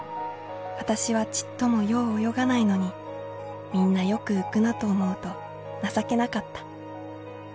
私はちっともよう泳がないのにみんなよく浮くなと思うと情けなかった。